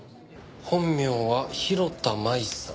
本名は広田舞さん。